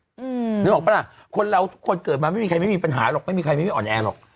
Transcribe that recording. นึกออกปะล่ะคนเราทุกคนเกิดมาไม่มีใครไม่มีปัญหาหรอกไม่มีใครไม่มีอ่อนแอหรอก